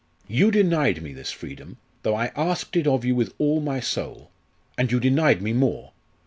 You denied me this freedom, though I asked it of you with all my soul. And you denied me more.